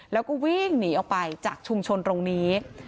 แล้วก็วิ่งหนีออกไปจากชุมชนตรงนี้